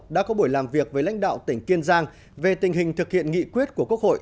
đã có buổi làm việc với lãnh đạo tỉnh kiên giang về tình hình thực hiện nghị quyết của quốc hội